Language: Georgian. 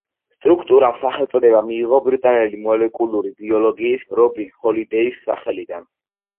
სტრუქტურამ სახელწოდება მიიღო ბრიტანელი მოლეკულური ბიოლოგის, რობინ ჰოლიდეის სახელიდან.